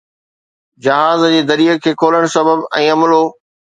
جهاز جي دريءَ کي کولڻ سبب ۽ عملو